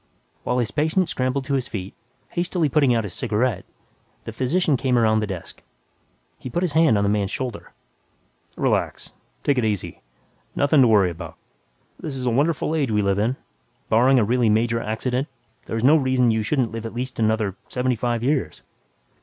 While his patient scrambled to his feet, hastily putting out his cigarette, the physician came around the desk. He put his hand on the man's shoulder, "Relax, take it easy nothing to worry about. This is a wonderful age we live in. Barring a really major accident, there's no reason why you shouldn't live at least another seventy five years.